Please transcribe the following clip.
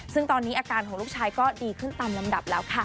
ซึ่งตอนนี้อาการของลูกชายก็ดีขึ้นตามลำดับแล้วค่ะ